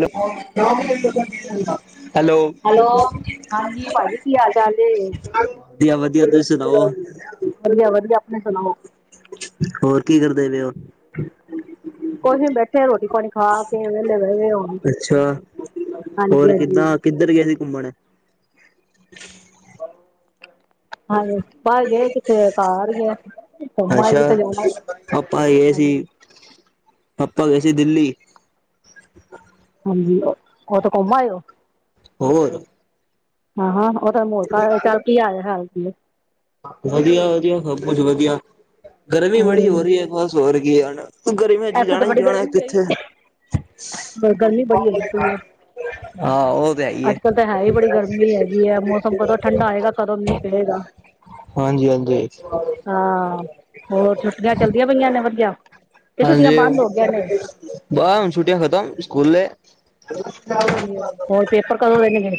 ੋ hello ਹਾਂਜੀ ਭਾਜੀ ਕੀ ਹਾਲ ਚਾਲ ਏ? ਵਧੀਆ ਵਧੀਆ ਤੁਸੀਂ ਸੁਣਾਓ। ਵਧੀਆ ਵਧੀਆ ਆਪਣੇ ਸੁਣਾਓ। ਹੋਰ ਕੀ ਕਰਦੇ ਪੇ ਉਹ ਉਹੀ ਬੈਠੇ, ਤੇ ਰੋਟੀ ਪਾਣੀ ਖਾ ਕੇ ਵੇਹਲੇ ਹੋਏ ਦੇ ਆ ਹੁਣ ਅੱਛਾ ਹਾਂਜੀ ਹੋਰ ਹਾਂਜੀ। ਕਿੱਦਾਂ ਤੇ ਕਿੱਧਰ ਗਿਆਏ ਸੀ ਘੁੰਮਣ? [unintelligible] ਹਾਂਜੀ ਪਰ ਗੇ ਕਿਥੇ ਘ ਹੀ ਆ ਘੁੰਮਾ ਹੀ ਅੱਛਾ ਕਿਥੇ ਜਾਣਾ। ਪਾਪਾ ਗਏ ਹਾਂਜੀ ਸੀ ਪਾਪਾ ਗਏ ਸੀ ਦਿੱਲੀ। ਹਾਂਜੀ ਉਥੋਂ ਘੁੰਮ ਹੋ। ਹੋਰ ਹਾਂ ਹਾਂ ਉਹ ਤਾਂ ਮੋੜਕਾ ਚੱਲ ਕੀ ਆਆ ਹਾਲ ਕੀ। ਵਧੀਆ ਵਧੀਆ ਸਭ ਕੁਛ ਵਧੀਆ, ਗਰਮੀ ਬੜੀ ਹੋ ਹਮ ਰਹੀ ਹੈ ਬਸ ਹੋਰ ਕੀ ਆ ਨਾ। ਗਰਮੀਆ ਵਿੱਚ ਇੱਥੇ ਜਾਣਾ ਤਾਂ ਹੀ ਬੜੀ ਜਣਾ ਗਰਮੀ ਹੈਗੀ ਕਿੱਥੇ। ਗਰਮੀ ਬੜੀ ਹੈਗੀ ਪਈ ਆ ਹਾਂ ਉਹ ਤੇ ਹੈ ਈ। ਅੱਜ ਕੱਲ ਤਾਂ ਹੈ ਹੀ ਬੜੀ ਗਰਮੀ ਹੈਗੀ ਹੈ ਮੌਸਮ ਕਦੋਂ ਠੰਢਾ ਆਏਗਾ ਕਦੋਂ ਮੀਂਹ ਪਏਗਾ। ਹਾਂਜੀ ਹਾਂਜੀ। ਹਾਂ, ਹੋਰ ਛੁੱਟੀਆਂ ਚੱਲਦੀਆਂ ਪਈਆਂ ਨੇ ਵਧੀਆ। ਕਿ ਛੁੱਟੀਆਂ ਹਾਂਜੀ, ਬੰਦ ਹੋ ਗਈਆਂ ਨੇ ਬਸ ਹੁਣ ਛੁੱਟੀਆਂ ਖਤਮ ਸਕੂਲੇ। ਹਾਂਜੀ ਹੋਰ ਪੇਪਰ ਕਦੋਂ ਦੇਣੇ ਨੇ।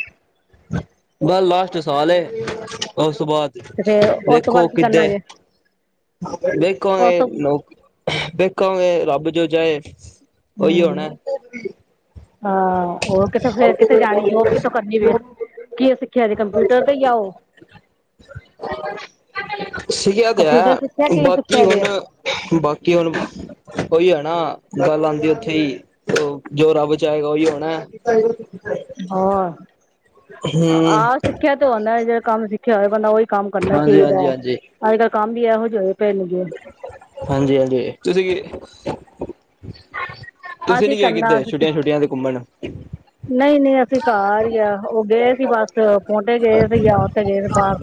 ਬਸ ਲਾਸਟ ਸਾਲ ਏ ਉਸ ਤੋਂ ਬਾਅਦ। ਫੇਰ ਉਸ ਤੋਂ ਬਾਅਦ ਵੇਖੋ ਕੀ ਕਰਨਾ ਕਿਤੇ ਜੇ ਵੇਖੋ ਉਸ ਇਹ ਤੋਂ ਨੌਕ ਵੇਖਾਗੇ ਰੱਬ ਜੋ ਜਾਏ ਉਹੀ ਹਮ ਹੋਣਾ। ਹਾਂ ਉਹ ਕਿਥੇ ਫਰ ਕਿਥੇ ਜਾਣੀ ਜੋਬ ਕਿੱਥੋਂ ਕਰਨੀ ਵੇ ਕੀ ਅਸੀਂ ਕਿਹਾ ਅਜੇ ਕੰਪਿਊਟਰ ਤੇ ਹੀ ਆਓ। ਸੀ ਏ ਤੇ ਕੰਪਿਊਟਰ ਹੈ ਸਿੱਖਿਆ ਕੀ ਬਾਕੀ ਸਿੱਖਿਆ ਜੇ ਹੁਣ ਬਾਕੀ ਹੁਣ। ਉਹੀ ਹੋਣਾ ਗੱਲ ਆਉਂਦੀ ਉੱਥੇ ਹੀ ਜੋ ਰੱਬ ਚਾਹੇਗਾ ਉਹੀ ਹੋਣਾ। ਹੋਰ ਹੂੰ, ਕਿਹਾ ਤੋਂ ਆਉਂਦਾ ਜਿਹੜਾ ਕੰਮ ਸਿੱਖਿਆ ਹੋਏ ਬੰਦਾ ਉਹੀ ਕੰਮ ਕਰਨਾ ਹਾਂਜੀ ਚਾਹੀਦਾ ਹਾਂਜੀ ਹੈ। ਹਾਂਜੀ ਅੱਜ ਕੱਲ੍ਹ ਕੰਮ ਵੀ ਇਹੋ ਜਿਹੇ ਹੋਏ ਪਏ ਨੇ ਗੇ। ਹਾਂਜੀ, ਹਾਂਜੀ ਤੁਸੀਂ ਕੀ। ਤੁਸੀਂ ਅਸੀਂ ਨੀ ਗਏ ਕਰਨਾ ਕਿੱਤੇ ਅਸੀਂ ਛੁੱਟੀਆਂ ਛੁੱਟੀਆਂ ਤੇ ਘੁੰਮਣ। ਨਹੀਂ ਨਹੀਂ ਅਸੀਂ ਘਰ ਹੀ ਆ ਉਹ ਗਏ ਸੀ ਬਸ ਪੋਂਡੇ ਗਏ ਸੀ ਜਾਂ ਉੱਥੇ ਗਏ ਸੀ ਬਾਹਰ।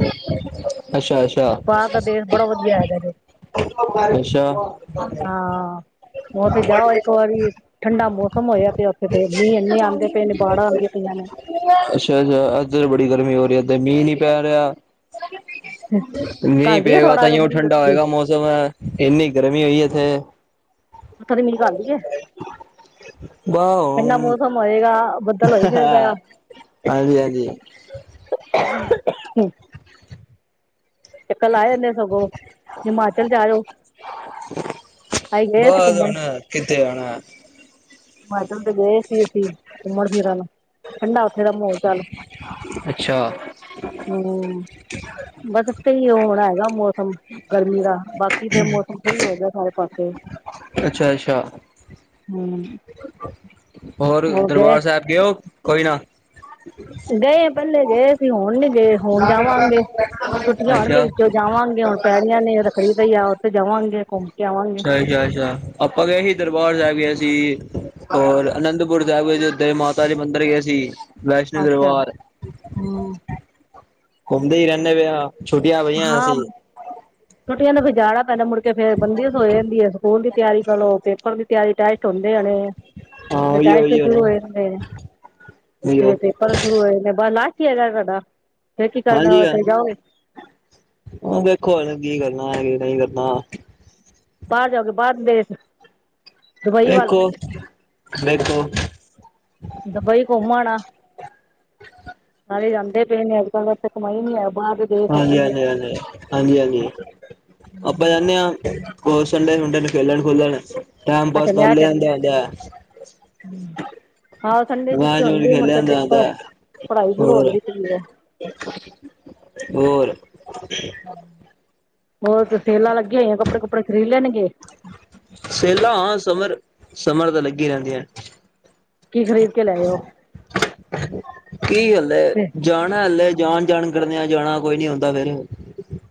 ਅੱਛਾ ਅੱਛਾ, ਬਾਹਰ ਦਾ ਦੇਸ਼ ਬੜਾ ਵਧੀਆ ਹੈਗਾ ਜੇ ਅੱਛਾ, ਹਾਂ ਉੱਥੇ ਜਾਓ ਇੱਕ ਵਾਰੀ ਠੰਡਾ ਮੌਸਮ ਹੋਇਆ ਪਿਆ, ਉੱਥੇ ਤੇ ਮੀਂਹ ਇੰਨੇ ਆਂਦੇ ਪਏ ਨੇ, ਬਾੜਾਂ ਆਉਂਦੀ ਪਈਆਂ ਨੇ। ਅੱਛਾ- ਅੱਛਾ ਇੱਧਰ ਬੜੀ ਗਰਮੀ ਹੋ ਰਹੀ ਇੱਧਰ ਮੀਂਹ ਨੀ ਪੈ ਰਿਹਾ। ਮੀਂਹ ਘੱਲਦੀ ਆ ਪਏਗਾ ਥੋੜਾ ਤਾਂ ਹੀ ਮੀਂਹ ਠੰਡਾ ਉੱਥੇ ਦੀ ਹੋਏਗਾ ਮੌਸਮ। ਇਨੀ ਗਰਮੀ ਹੋਈ ਏਥੇ। ਕਦੀ ਮਿਲ ਕਰਦੀ ਏ। ਬ ਠੰਡਾ ਹਮ ਮੌਸਮ ਹੋਏਗਾ ਬੱਦਲ ਹੋਈ ਹਾ ਫਿਰਦਾ ਹਾ। ਆ ਹਾਂਜੀ -ਹਾਂਜੀ ਹਮ, ਚੱਕਰ ਲਾ ਆਂਦੇ ਸਗੋਂ ਹਿਮਾਚਲ ਜਾਇਓ। ਬਸ ਹੁਣ ਕਿੱਥੇ ਹੁਣ? ਹਿਮਾਚਲ ਤੇ ਗਏ ਸੀ ਅਸੀਂ ਘੁੰਮਣ ਫਿਰਨ ਠੰਡਾ ਉੱਥੇ ਦਾ ਮਾਹੌਲ- ਚਾਲ। ਅੱਛਾ! ਹਮ ਬਸ ਏਥੇ ਈ ਹੋਰ ਹੈਗਾ ਮੌਸਮ। ਗਰਮੀ ਦਾ ਬਾਕੀ ਤੇ ਮੌਸਮ ਸਹੀ ਹੋ ਗਿਆ ਸਾਰੇ ਪਾਸੇ। ਅੱਛਾ- ਅੱਛਾ ਹਮ, ਹੋਰ ਦਰਬਾਰ- ਸਾਹਿਬ ਗਏ ਹੋ ਕੋਈ ਨਾ? ਗਏ ਪਹਿਲੇ ਗਏ ਸੀ ਹੁਣ ਨੀ ਗਏ। ਹੁਣ ਜਾਵਾਂਗੇ ਛੁੱਟੀਆਂ ਹੋਣਗੀਆਂ ਅੱਛਾ ਵਿੱਚੋਂ ਜਾਵਾਂਗੇ ਹੁਣ। ਪੈਣੀਆਂ ਨੇ ਉਹ ਤਾਂ ਖਰੀਦ ਹੀ ਆ ਉੱਥੇ ਜਾਵਾਂਗੇ ਘੁੰਮ। ਕੇ ਆਵਾਂਗੇ ਅੱਛਾ -ਅੱਛਾ -ਅੱਛਾ ਆਪਾਂ ਗਏ ਸੀ ਦਰਬਾਰ ਸਾਹਿਬ ਗਏ ਸੀ। ਹੋਰ ਅਨੰਦਪੁਰ ਸਾਹਿਬ ਏ ਉੱਥੇ ਮਾਤਾ ਦੇ ਮੰਦਿਰ ਗਏ ਸੀ। ਵੈਸ਼ਨੋ ਅੱਛਾ ਦਰਬਾਰ ਹਮ, ਘੁੰਮਦੇ ਹੀ ਰਹਿੰਦੇ ਪਏ ਆ। ਛੁੱਟੀਆਂ ਪਈਆਂ ਹਾਂ। ਅਸੀਂ ਛੁੱਟੀਆਂ ਨੇ ਫਿਰ ਜਾਣਾ ਪੈਂਦਾ ਮੁੜਕੇ ਫੇਰ ਬੰਦਿਸ ਹੋ ਜਾਂਦੀ ਏ। ਸਕੂਲ ਦੀ ਤਿਆਰੀ ਕਰਲੋ, ਪੇਪਰ ਦੀ ਤਿਆਰੀ ਟਾਈਟ, ੋਂਦੇ ਆਣੇ ਹਾਂ ਫਿਰ ਉਹੀ ਟੇਸਟ ਉਹੀ ਹੋਣਾ ਸ਼ੁਰੂ ਹੋ ਜਾਂਦੇ ਆ, ਫਿਰ ਉਹੀਓ ਪੇਪਰ ਸ਼ੁਰੂ ਹੋਏ ਬਸ ਲਾਸਟ। ਕੀ ਹੈਗਾ ਤੁਹਾਡਾ? ਫਿਰ ਕੀ ਹਾਂਜੀ ਕਰਨਾ ਹ ਤੇ ਜਾਓਗੇ ਹ ਵੇਖੋ ਕੀ ਕਰਨਾ ਕੀ ਨਹੀਂ ਕਰਨਾ? ਬਾਹਰ ਜਾਓਗੇ ਬਾਹਰਲੇ ਦੇਸ਼? ਦੁਬਈ ਵੱਲ ਦੇਖੋ -ਦੇਖੋ ਦੁਬਈ ਘੁੰਮ ਆ ਨਾ ਨਾਲੇ ਜਾਂਦੇ ਪਏ ਨੇ। ਤਾਂ ਕਰਕੇ ਕਮਾਈ ਨੀ ਆ ਬਾਹਰ। ਦੇ ਦੇਸ਼ ਹੈਗੀ ਹਾਂਜੀ ਨੇ -ਹਾਂਜੀ -ਹਾਂਜੀ -ਹਾਂਜੀ, ਹਾਂਜੀ ਆਪਾਂ ਹੁਦੇ ਹੋਰ ਸੰਡੇ-ਸੁੰਡੇ ਨੂੰ ਖੇਲਣ- ਖੁਲਣ, ਟਾਈਮ ਅੱਛਾ ਪਾਸ ਕਰ ਲੈ ਲ ਚ ਜਾਂਦੇ ਆਦੇ। ਆਹੋ ਸੰਡੇ ਛੁੱਟੀ ਮੋਬਾਇਲ ਮੂਵ ਤੇ ਹੁੰਦੀ ਹੈ ਖੇਡ ਮੁੜਕੇ ਪੇਪਰ ਲਈਦਾ ਪੜ੍ਹਾਈ ਸ਼ੁਰੂ ਹੋਰ। ਹੁੰਦੀ ਪਈ ਹੈ ਹੋਰ ਹੋਰ ਸੇਲਾ ਲੱਗੀਆਂ ਹੋਈਆ ਕੱਪੜੇ- ਕੁਪੜੇ ਖਰੀਦ ਲੈਣਗੇ? ਸੈਲਾਂ ਹਾਂ ਸਮਰ, ਸਮਰ ਤਾਂ ਲੱਗੀ ਰਹਿੰਦੀਆਂ। ਕੀ ਖਰੀਦ ਕੇ ਲਿਆਏ ੳ? [inaudible] ਕੀ ਹਾਲੇ ਜਾਣਾ ਹੱਲੇ ਜਾਣ, ਜਾਣ ਕਰਨਿਆਂ ਜਾਣਾ ਕੋਈ ਨੀ ਆਉਂਦਾ ਫੇਿਰ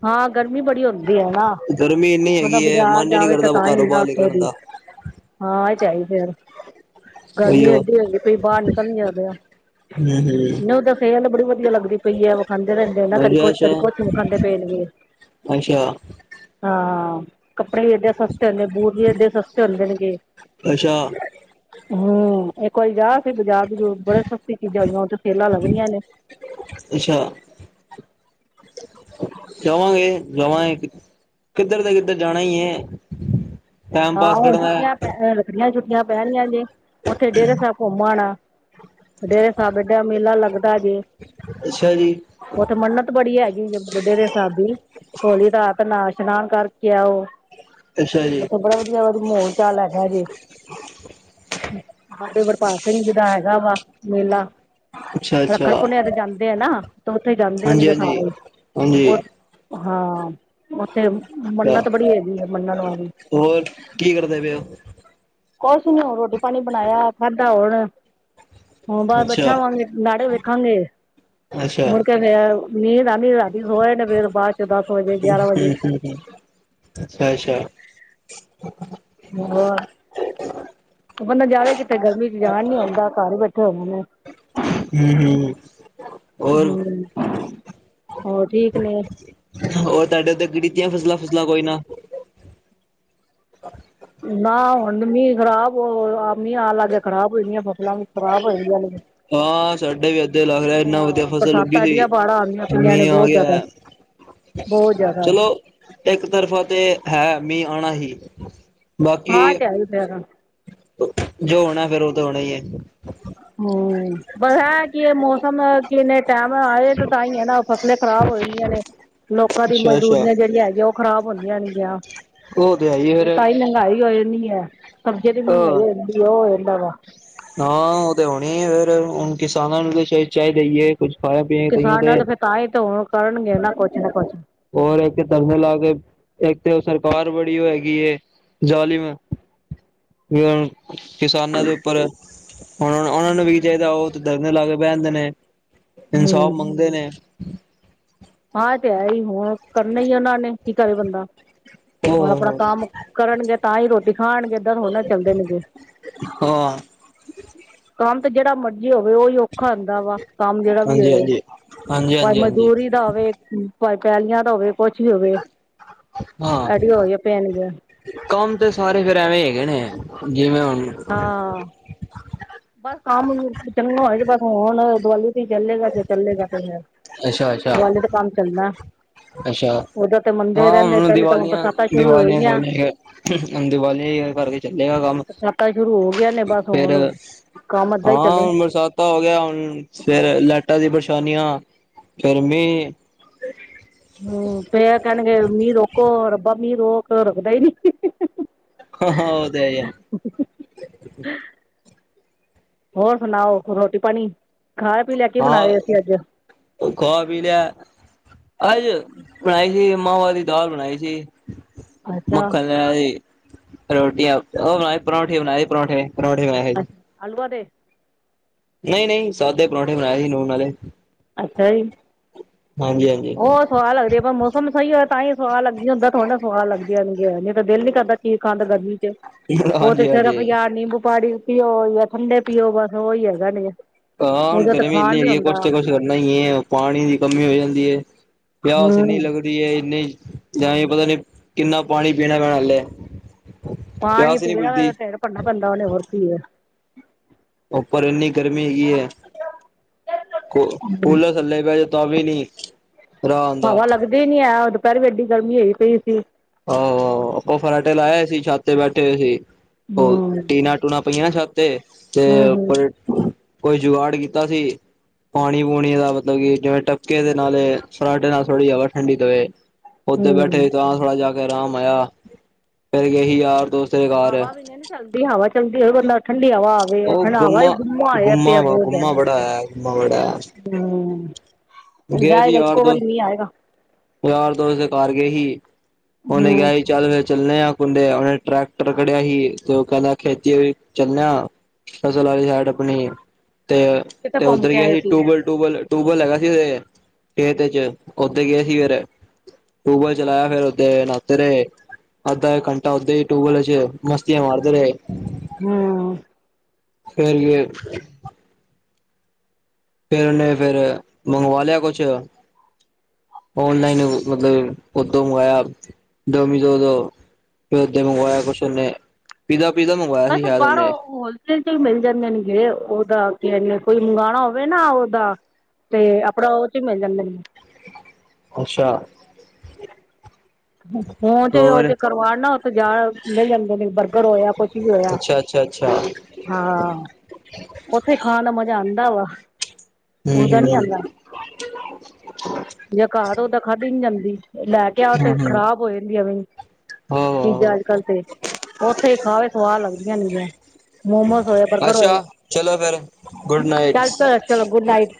ਹਾਂ ਗਰਮੀ ਬੜੀ ਹੁੰਦੀ। ਨਾ ਗਰਮੀ ਇੰਨੀ ਬੰਦਾ ਹੈਗੀ ਹੈ ਬਾਜ਼ਾਰ ਮਨ ਹੀ ਨੀ ਜਾਵੇ ਤਾਂ ਕਰਦਾ ਕ ਘਰੋਂ ਹੀ ਨਾ ਬਾਹਰ ਉੱਥੋਂ ਨਿਕਲਣ ਦੀ। ਦਾ ਹਾਂ ਇਹ ਤੇ ਹੇ ਈ ਫਿਰ ਗਰਮੀ ਉਹੀਓ ਏਡੀ ਹੋਈ ਪਈ ਬਾਹਰ ਨਿਕਲਿਆ ਨੀ ਜਾਂਦਾ ਪਿਆ। ਹੂੰ ਨਹੀਂ ਉਹ ਤਾਂ ਸਿਹਤ ਬੜੀ ਵਧੀਆ ਲੱਗਦੀ ਪਈ ਏ ਉਹ ਖਾਂਦੇ ਰਹਿੰਦੇ ਨਾ ਕਦੀ ਹੂੰ ਕੁਛ ਅੱਛਾ ਕਦੀ ਕੁਛ ਖਾਂਦੇ। ਫ ਅੱਛਾ ਹਾਂ ਕੱਪੜੇ ਵੀ ਏਡੇ ਸਸਤੇ ਹੁੰਦੇ ਬੂਜ ਵੀ ਏਡੇ ਸਸਤੇ ਹੁੰਦੇ ਨੇ ਗੇ। ਅੱਛਾ ਅੱਛਾ ਹੂੰ ਇੱਕ ਵਾਰੀ ਜਾ ਬਾਜ਼ਾਰ ਬਾਜੂਰ, ਬੜੇ ਸਸਤੀ ਚੀਜ਼ਾਂ ਹੋਈਆਂ ਉੱਥੇ ਸੇਲਾਂ ਲੱਗ ਰਹੀਆਂ ਨੇ। ਅੱਛਾ। ਜਾਵਾਂਗੇ ਜਾਵਗ ਕਿੱਧਰ ਦਾ ਕਿੱਧਰ ਜਾਣਾ ਹੀ ਏ। ਹਾਂ ਹੁਣ ਛੁੱਟੀਆਂ ਪੈ ਛੁੱਟੀਆਂ ਛੁੱਟੀਆਂ ਪੈਣੀਆਂ ਗਿਆ ਦੇ, ਉੱਥੇ ਡੇਢਾ ਸਾਹਿਬ ਘੁੰਮਣ ਆਣਾ। ਡੇਰਾ ਸਾਹਿਬ ਅੱਡਾ ਮੇਲਾ ਲੱਗਦਾ ਜੇ। ਅੱਛਾ ਜੀ। ਉੱਥੇ ਮੰਨਤ ਬੜੀ ਹੈਗੀ, ਜੇ ਡੇਰੇ ਸਾਹਿਬ ਵੀ। ਹੋਲੀ ਰਾਤ ਨਾ ਇਸ਼ਨਾਨ ਕਰਕੇ ਆਓ। ਅੱਛਾ ਜੀ। ਉੱਥੇ ਬੜਾ ਵਧੀਆ ਵ ਮੋਲ ਚਾਲ ਹੈਗਾ ਜੇ। ਬਾਬੇ ਬਡਭਾਗ ਸਿੰਘ ਜੀ ਦਾ ਹੈਗਾ ਵਾ ਮੇਲਾ। ਅੱਛਾ-ਅੱਛਾ, ਰੱਖੜ ਪੁੰਨਿਆ ਤੇ ਜਾਂਦੇ ਆ ਨਾ, ਤੇ ਉੱਥੇ ਜਾਂਦੇ ਨੇਗੇ ਹਾਂਜੀ-ਹਾਂਜੀ। ਹਾਂਜੀ, ਸਾਰੇ, ਹਾਂਜੀ ਉ ਹਾਂਜੀ, ਹਾਂ ਉੱਥੇ ਅੱਛਾ ਮੰਨਤ ਬੜੀ ਹੈਗੀ ਆ ਮੰਨਣ ਵਾਲੀ। ਹੋਰ ਕੀ ਕਰਦੇ ਪਏ ਉਹ? ਕੁਛ ਨੀ ਹੁਣ ਰੋਟੀ ਪਾਣੀ ਬਣਾਇਆ, ਖਾਧਾ ਹੁਣ ਹੁਣ ਬਾਰ ਅੱਛਾ, ਬੈਠਾ ਹੋਵਾਂਗੇ, ਨਾਟਕ ਵੇਖਾਂਗੇ, ਅੱਛਾ, ਮੁੜ ਕੇ ਨੀਦ ਫੇਰ ਨੀਂਦ ਆਂਦੀ ਰਾ ਸੋ ਜਨੇ ਫਰ ਬਾਅਦ ਚ ਦਸ ਵਜੇ ਗਿਆਰਾਂ ਵਜੇ। ਹਂ, ਅੱਛਾ [unintelligible] [unintelligible] ਬੰਦਾ ਜਾਵੇ ਕਿਥੇ, ਗਰਮੀ ਚ ਜਾਣ ਨੀਂ ਆਉਂਦਾ ਘਰ ਹੀ ਬੈਠੇ ਹੋਣ‌ [unintelligible] ਹੋਰ-ਹੋਰ ਹੋ ਹੋਰ ਠੀਕ ਨੇ। ਹੋਰ ਤੁਹਾਡੇ ਉੱਤੇ ਗਤੀਆਂ ਫਸਲਾਂ ਫਸਲਾਂ ਕੋਈ ਨਾ। ਨਾ ਹੁਣ ਮੀਂਹ ਖ਼ਰਾਬ ਮੀਂ ਆ ਲਾਗੇ ਖਰਾਬ ਹੋਦੀ [inaudible] [unintelligible] ਖਰਾਬ ਹੋਏ ਨੇ। ਹਾਂ ਸਾਡੇ ਵੀ ਐਧੇ ਲੱਗ ਰਿਹੇ, ਇੰਨ੍ਹਾਂ ਵਧੀਆ ਹਾਂ ਫਸਲ ਉੱਗੀ ਬਰਸਾਤਾਂ ਸੀ, ਐਡੀਆਂ ਬਾੜਾ ਆਂਦੀਆਂ ਪਈਆਂ ਨੇ ਮੀਂਅ ਆ ਬਹੁਤ ਜ਼ਿਆਦਾ ਗਿਆ। ਬਹੁਤ [unintelligible] ਜ਼ਿਆਦਾ ਚਲੋਂ ਇੱਕ ਤਰਫਾ ਤੇ ਹੈ, ਮੀਂਹ ਆਉਣਾ ਹੀ। ਬਾਕੀ ਹਾਂ ਤੇ ਆਈ ਫੇਰ ਹਮ ਜੋ ਹੋਣਾ, ਫੇਰ ਉਹ ਤਾਂ ਹੋਣਾ ਹੀ ਐ। ਹਂ, ਬਸ ਏ ਹੈ ਕਿ ਮੌਸਮ ਕਿੰਨੇ ਟਾਈਮ ਆਏ ਤੇ ਤਾਂ ਹੀ ਐ ਨਾਂ ਫਸਲੇ ਖ਼ਰਾਬ ਹੋ ਜਾਂਦੀਆਂ ਨੇਂ, ਲੋਕਾਂ ਦੀ ਅੱਛਾ-ਅੱਛਾ, ਮਜ਼ਦੂਰੀਆਂ ਜਿਹੜੀਆਂ ਹੈਗੀਆਂ ਉਹ ਖ਼ਰਾਬ ਹੁੰਦੀਆਂ ਨੇਗੀਆਂ। ਉਹ ਹੈ ਈ ਏ ਤੇ ਫੇਰ ਤਾਂਹੀ ਮਹਿੰਗਾਈ ਹੋਏਗੀ ਐ, ਸਬਜ਼ੀਆਂ ਦੀ ਮਹਿੰਗਾਈ ਅਹ ਹੋ ਜਾਂਦੀ, ਉਹ ਹੋ ਜਾਂਦਾ ਵਾ। ਹਾਂ, ਉਹ ਤਾਂ ਹੋਣੀ ਫੇਰ, ਹੁਣ ਕਿਸਾਨਾਂ ਨੂੰ ਤਾਂ ਚ ਚਾਹੇ ਦੇਈਏ ਕੁੱਝ ਖਾਆ ਪੀਆ ਕਈਏ ਤੇ ਤਾਂਹੀ ਤਾਂ ਹੁਣ ਕਰਨਗੇ ਨਾਂ ਕੁਛ ਨਾ ਕੁਛ। ਹੋਰ ਇੱਕ ਧਰਨੇ ਲਾ ਕੇ, ਇੱਕ ਤੇ ਸਰਕਾਰ ਬੜੀ ਉਹ ਹੈਗੀ। ਜਾਲੀਮ ਵੀ ਹੁਣ ਕਿਸਾਨਾਂ ਦੇ ਉੱਪਰ, ਹੁਣ ਉਹਨਾਂ ਨੂੰ ਵੀ ਕੀ ਚਾਹੀਦਾ। ਉਹ ਤੇ ਧਰਨੇ ਲਾ ਕੇ ਬਹਿ ਆਂਦੇ ਨੇਂ। ਇਨਸਾਫ਼ ਹਮ ਮੰਗਦੇ ਨੇਂ। ਹਾਂ ਤੇ ਹੈ ਹੀ, ਹੁਣ ਕਰਨਾ ਹੀ ਉਹਨਾਂ ਨੇਂ, ਕੀ ਕਰੇ ਬੰਦਾ ਹੁਣ ਆਪਣਾ ਉਹ ਕੰਮ ਕਰਨਗੇ, ਤਾਂ ਹੀ ਰੋਟੀ ਖਾਣਗੇ ਏਧਾਂ ਥੋੜ੍ਹ ਨਾਂ ਚੱਲਦੇ ਨੇਗੇ। ਹਾਂ ਕੰਮ ਤੇ ਜਿਹੜਾ ਮਰਜ਼ੀ ਹੋਵੇ, ਉਹੀ ਔਖਾ ਹੁੰਦਾ ਵਾ ਕੰਮ ਜਿਹੜਾ ਵੀ ਹਾਂਜੀ ਹੋਵੇ, ਹਾਂਜੀ ਹਾਂਜੀ ਭਾਵੇਂ ਹਾਂਜੀ ਹਾਂਜੀ ਮਜ਼ਦੂਰੀ ਹੋਵੇ, ਭਾਵੇਂ ਪੈਲੀਆਂ ਦਾ ਹੋਵੇ, ਕੁਛ ਵੀ ਹੋਵੇ ਹਾਂ ਐਡੀ ਹੋ ਪੈਣਗੇ। ਕੰਮ ਤੇ ਸਾਰੇ ਫੇਰ ਐਵੇਂ ਹੈਗੇ ਨੇਂ, ਜਿਵੇਂ ਹੁਣ ਹਾਂ। ਬਸ ਕੰਮ ਚੰਗਾ ਹੋਣਾ ਜੇ, ਬਸ ਹੁਣ ਦੀਵਾਲੀ ਚੱਲੇਗਾ ਜੇ ਚੱਲੇਗਾ ਤੇ ਫਿਰ, ਅੱਛਾ ਅੱਛਾ ਦੀਵਾਲੀ ਤੇ ਕੰਮ ਚੱਲਣਾ। ਅੱਛਾ, ਉਦੋਂ ਤੇ ਮੰੰਦੇ ਹਾਂ ਰਹਿੰਦੇ ਹੁਣ ਪਹਿਲੇ ਤਾਂ ਦੀਵਾਲੀਆਂ ਬਰਸਾਤਾਂ ਸ਼ੁਰੂ ਦੀਵਾਲੀਆਂ ਹੋਏਗੀਆਂ ਦੀਆਂ ਆਂਦੇ ਦੀਵਾਲੀਆ ਕਰਕੇ ਚੱਲੇਗਾ ਕੰਮ ਤਾਂ ਸ਼ੁਰੂ ਹੋ ਗਿਆ ਨੇਂ ਬਸ ਫੇਰ ਹੁਣ ਕੰਮ ਏਦਾਂ ਹੀ ਚੱਲੇ ਹਾਂ, ਬਰਸਾਤ ਪਤਾ ਹੋ ਗਿਆ ਹੁਣ, ਫੇਰ ਲਾਈਟਾਂ ਦੀ ਪਰੇਸ਼ਾਨੀਆਂ, ਫਿਰ ਮੀਂਹ ਹਂ, ਫਿਰ ਕਹਿਣਗੇ ਮੀਂਹ ਰੋਕੋ, ਰੱਬਾ ਮੀਂਹ ਰੋਕ ਰੁੱਖਦਾ ਹੀ ਨਈਂ [unintelligible] ਹਾਂ, ਹਾਂ, ਉਹ ਤੇ ਹੈ ਈਐ। ਹੋਰ ਸੁਣਾਓ ਰੋਟੀ-ਪਾਣੀ ਖਾ ਪੀ ਲਿਆ। ਕੀ ਬਣਾ ਰਹੇ ਸੀਂ ਅੱਜ? ਖਾਅ ਪੀ ਲਿਆ, ਅੱਜ ਬਣਾਈ ਸੀ ਮਾਵਾਂ ਦੀ ਦਾਲ ਬਣਾਈ ਸੀ। ਅੱਛਾ ਮੱਖਣ ਲੇਣਾ ਸੀ, ਰੋਟੀਆਂ, ਉਹ ਬ ਪਰੌਂਠੀ ਬਣਾਏ ਪਰੌਂਠੇ। ਪਰੋਂਠੇ ਬਣਾਏ ਹੀ ਅੱਜ। ਆਲੂਵਾ ਦੇ। ਨਈਂ ਨਈਂ, ਸਾਦੇ ਪਰੌਂਠੇ ਬਣਾਏ ਸੀ, ਨੂਨ ਆਲੇ। ਅੱਛਾ ਜੀ। ਹਾਂਜੀ ਹਾਂਜੀ। ਉਹ ਸੁਆਦ ਲੱਗਦੇ ਪਰ ਮੌਸਮ ਮ ਸਹੀ ਹੋਇਆ ਤਾਂ ਹੀ ਸਵਾਹ ਲੱਗਦੀ, ਉਦਾਂ ਥੋੜਾ ਨਾਂ ਸੁਆਦ ਲੱਗਦੀ ਤਾਂ ਦਿਲ ਨੀਂ ਕਰਦਾ ਚੀਜ਼ ਖਾਂਣ ਦਾ ਗਰਮੀ ਚ ਉਹ ਤੇ ਹਾਂਜੀ ਸਿਰਫ ਹਾਂਜੀ ਯਾਂ ਨਿੰਬੂ ਪਾਨੀ ਪੀਓ ਜਾਂ ਠੰਡੇ ਪੀਓ, ਬਸ ਉਹੀ ਹੈਗਾ ਨੇਂ। ਹਾਂ ਗਰਮੀ ਇੰਨੀ ਕੁਛ ਤਾਂ ਕੁਛ ਕਰਨਾ ਹੀ ਹੈ ਪਾਣੀ ਦੀ ਕਮੀ ਹੋ ਜਾਂਦੀ ਹੈ ਪਿਆਸ ਇਨੀ ਹਮ ਲੱਗਦੀ ਇੰਨੀ ਜਾਂ ਪਤਾ ਨੀ ਕਿੰਨਾ ਪਾਣੀ ਪੀਣਾ ਪੈਣਾ ਹਾਲੇ ਪਾਣੀ ਪੀਣਾ ਫਿਰ ਭੜਨਾ ਪੈਂਦਾ ਉਹਨੇ ਵਰਥੀ ਹੈ। ਉੱਪਰ ਇੰਨੀ ਗਰਮੀ ਹੈਗੀ ਹੈ ਕੂਲਰ ਥੱਲੇ ਬਹਿ ਜਾਓ ਤਾਂ ਵੀ ਨਹੀਂ ਹਵਾ ਲੱਗਦੀ ਨੀ ਹੈ ਦੁਪਹਿਰ ਵੀ ਐਡੀ ਗਰਮੀ ਹੋਈ ਪਈ ਸੀ। ਆਹੋ ਆਹੋ, ਆਪਾਂ ਫਰਾਟੇ ਲਾਏ ਅ ਸੀ ਛੱਤ ਤੇ ਬੈਠੇ ਸੀ, ਹਮ ਉਹ ਟੀਨਾ-ਟੂਣਾ ਪਈਆਂ ਨਾਂ ਛਤ ਤ ਤੇ, ਹਮ ਹਮ ਤੇ ਕੋਈ ਜੁਗਾੜ ਕੀਤਾ ਸੀ। ਪਾਣੀ-ਪੂਣੀ ਦਾ ਮਤਲਬ ਕਿ ਜਿਵੇਂ ਟਬਕੇ ਦੇ ਨਾਲ ਫਰਾਡੇ ਨਾਲ ਥੋੜ੍ਹੀ ਜਵਾ ਠੰਡੀ ਦਵੇ। ਓਦੇ ਹਮ ਬੈਠੇ ਤਾਂ ਥੋੜ੍ਹਾ ਜਾ ਕੇ ਆਰਾਮ ਆਇਆ, ਫਿਰ ਗਏ ਸੀ ਯਾਰ ਦੋਸਤ ਦੇ ਘਰ। ਹਵਾ ਵੀ ਚੱਲਦੀ ਹਵਾ ਚਲਦੀ ਬੰਦਾ ਠੰਡੀ ਹਵਾ ਆ ਉਹ ਖੜਾਵਾ ਗੁੰਮਾ ਗੁੰਮ ਆ ਗੁੰਮਾ ਪਿਆ ਵਾ ਬਹੁਤ ਗੁੰਮਾ ਬੜਾ ਹੈ ਗੁੰਮਾ ਬੜਾ ਹੈ। ਹੂ ਗਏ ਸੀ ਜਾਏਗਾ ਯਾਰ ਇੱਕੋ ਵਾਰੀ ਦੋਸਤ ਨਹੀਂ ਆਏਗਾ ਯਾਰ ਦੋਸਤ ਦੇ ਘਰ ਗਏ ਸੀ ਉਹਨੇ ਹਮ ਕਿਹਾ ਸੀ ਚੱਲ ਚਲਣੇ ਆ ਕੁੰਡੇ ਉਹੇ ਟਰੈਕਟਰ ਖੜਿਆ ਹੀ ਤੇ ਉਹ ਕਹਿੰਦਾ ਖਿੱਚ ਚੱਲੇ ਹਾਂ ਫਸਲ ਵਾਲੀ ਸਾਈਡ ਆਪਣੀ ਤੇ ਕਿਤੇ ਤੇ ਘੁੰਮ ਉੱਧਰ ਕੇ ਗਏ ਆਏ ਸੀ ਟੂਬਲ ਟੂਬਲ ਟੂਬਲ ਹੈਗਾ ਸੀ ਇਹਦੇ ਚ ਓਥੇ ਗਏ ਸੀ। ਟੂਬਲ ਚਲਾਇਆ ਫਿਰ ਉਥੇ ਨਾਤੇ ਰਹੇ ਅੱਧ ਇੱਕ ਘੰਟਾ ਉਦਾਂ ਟੂਬਲ ਚ ਮਸਤੀ ਮਾਰਦੇ ਰਹੇ ਹੂ,,, ਫਿਰ ਲਈ ਫਿਰ ਉਹਨੇ ਫਿਰ ਮੰਗਵਾ ਲਿਆ ਕੁਛ ਔਨਲਾਈਨ ਮਤਲਬ ਉਥੋਂ ਆਇਆ ਡੋਮੀਨੋਸ ਤੋਂ ਫਿਰ ਤੇ ਮੰਗਵਾਇਆ ਕੁਛ ਉਹਨੇ ਪੀਜ਼ਾ ਪੀਜ਼ਾ ਮੰਗਵਾਇਆ ਬਸ ਸੀ ਸ਼ਾਇਦ ਉਹਨੇ ਬਾਹਰੋਂ ਹੋਲਸੇਲ ਚ ਮਿਲ ਜਾਂਦੇ ਨੇਗੇ ਉਹਦਾ ਕੀ ਕੋਈ ਮੰਗਵਾਉਣਾ ਹੋਵੇ ਨਾ ਉਹਦਾ ਤੇ ਆਪਣਾ ਉੱਚ ਹੀ ਮਿਲ ਜਾਂਦੇ ਨੇ ਅੱਛਾ। ਮੋਮੂ ਹੋਰ ਤੇ ਕਰਵਾਨ ਨਾ ਉੱਥੇ ਜਾ ਜਾਂਦੇ ਨੇ ਬਰਗਰ ਹੋਇਆ ਕੁਛ ਵੀ ਹੋਇਆ ਅੱਛਾ ਅੱਛਾ ਅੱਛਾ ਹਾਂ ਉੱਥੇ ਖਾਣ ਦਾ ਮਜਾ ਆਉਂਦਾ ਵਾ ਹੂੰ ਓਦਾ ਨੀ ਹੂੰ ਆਉਂਦਾ ਤੇ [unintelligible] ਖਾਦੀ ਨੀ ਜਾਂਦੀ ਲੈ ਕੇ ਕਿਆ ਤੇ ਖ਼ਰਾਬ ਹੋ ਜਾਂਦੀ ਆ ਵੇ ਹਾਂ ਉੱਥੇ ਹੀ ਖਾਵੇ ਸਵਾਦ ਲੱਗਦੀਆਂ ਰਹਿੰਦੀਆਂ ਮੋਮੋਸ ਹੋਏ ਬਰਗਰ ਹੋਏ ਅੱਛਾ ਚਲੋ ਫਿਰ ਗੁੱਡ ਨਾਈਟ [unintelligible] ਗੁਡ ਨਾਈਟ।